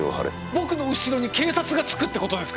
僕の後ろに警察がつくってことですか？